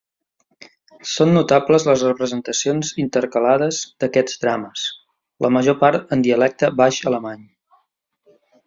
Són notables les representacions intercalades d'aquests drames, la major part en dialecte baix alemany.